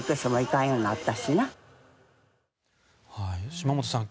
島本さん